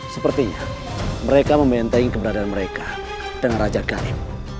sepertinya mereka mementeng keberadaan mereka dengan raja karim